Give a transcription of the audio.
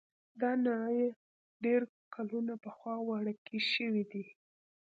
دا نوعې ډېر کلونه پخوا ورکې شوې دي.